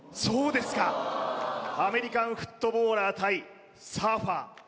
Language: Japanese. そうですかアメリカンフットボーラー対サーファー